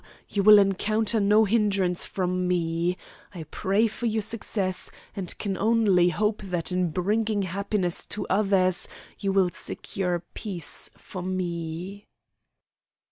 You will encounter no hindrance from me. I pray for your success, and can only hope that in bringing happiness to others you will secure peace for me."